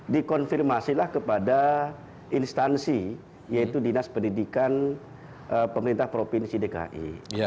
dikonfirmasilah kepada instansi yaitu dinas pendidikan pemerintah provinsi dki